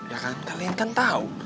ya kan kalian kan tahu